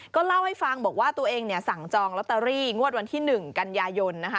ก็เล่าให้ฟังบอกว่าตัวเองเนี่ยสั่งจองลอตเตอรี่งวดวันที่๑กันยายนนะคะ